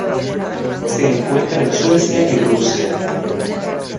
Se encuentra en Suecia y Rusia.